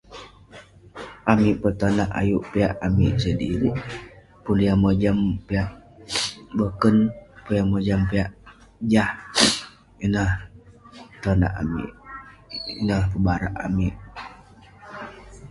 Amik petonak ayuk piak amik sedirik. Pun yah mojam piak boken, pun yah mojam piak jah. Ineh petonak amik, ineh pebarak amik.